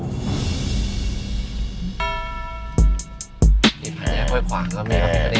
นี่พี่เจ๊ค่อยควากแล้วมีครับ